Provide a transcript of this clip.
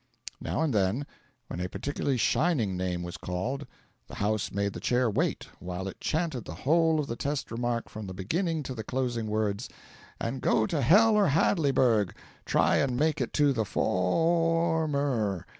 Now and then, when a particularly shining name was called, the house made the Chair wait while it chanted the whole of the test remark from the beginning to the closing words, "And go to hell or Hadleyburg try and make it the for or m e r!"